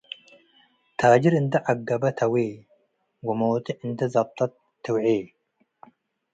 ታጅር እንዴ ዐገበ ተዌ፣ ወሞጤዕ እንዴ ዘብጠት ትውዔ።